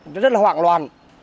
rất là hoảng loạn